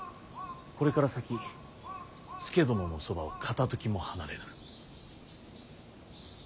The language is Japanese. これから先佐殿のそばを片ときも離れぬ。